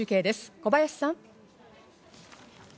小林さん。